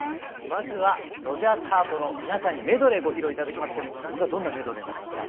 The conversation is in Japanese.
まずは「ロジャース／ハート」の皆さんにメドレーご披露頂きますけれどもこれはどんなメドレーになりますか？